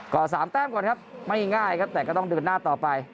ก็๓แต้มก่อนครับไม่ง่ายครับแต่ก็ต้องเดินหน้าต่อไป